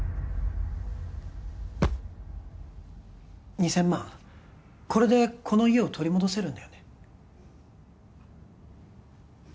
２千万これでこの家を取り戻せるんだよね？